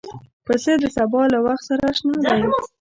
پسه د سبا له وخت سره اشنا دی.